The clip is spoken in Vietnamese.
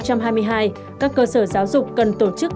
các cơ sở giáo dục cần tổ chức